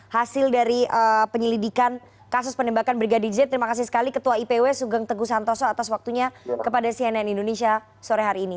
hasil dari penyelidikan kasus penembakan brigadir j terima kasih sekali ketua ipw sugeng teguh santoso atas waktunya kepada cnn indonesia sore hari ini